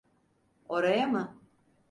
Oraya mı?